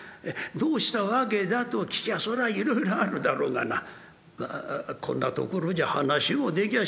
どうした訳だと聞きゃそれはいろいろあるだろうがなこんな所じゃ話もできゃしないやな。